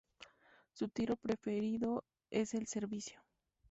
Su tiro preferido es el servicio.